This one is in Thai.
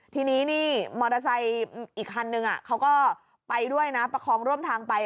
ทีนี้นี่มอเตอร์ไซค์อีกคันนึงเขาก็ไปด้วยนะประคองร่วมทางไป